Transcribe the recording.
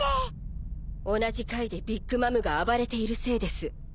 同じ階でビッグ・マムが暴れているせいです。